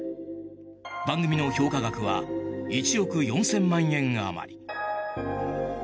番組の評価額は１億４０００万円あまり。